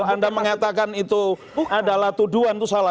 kalau anda mengatakan itu adalah tuduhan itu salah